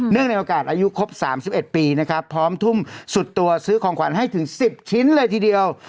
ในโอกาสอายุครบ๓๑ปีนะครับพร้อมทุ่มสุดตัวซื้อของขวัญให้ถึง๑๐ชิ้นเลยทีเดียว